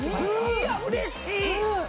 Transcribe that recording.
いやうれしい。